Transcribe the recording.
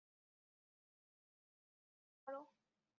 অতি গম্ভীর বুদ্ধি ধারণ কর।